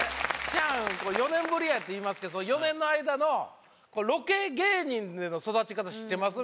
チャン４年ぶりやって言いますけどその４年の間のロケ芸人での育ち方知ってます？